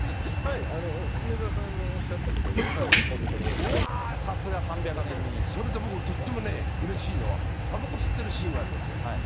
はい、梅沢さんのおっしゃったことで、ほぼほぼ、うわー、さすが、それで僕、とってもうれしいのは、たばこ吸ってるシーンがありますよね。